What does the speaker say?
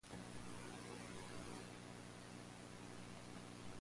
Bob carried my laundry for me.